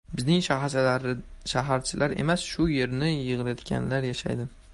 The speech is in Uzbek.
Bizning hasharchilar emas, shu yerning yigitlariga o‘xshadi.